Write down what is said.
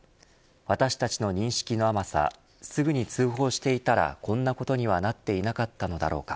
私たちの認識の甘さすぐに通報していたらこんなことにはなっていなかったのだろうか。